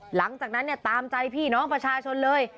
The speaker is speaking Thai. หลังจากนั้นเนี่ยตามใจพี่น้องประชาชนเลย